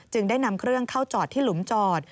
ได้นำเครื่องเข้าจอดที่หลุมจอด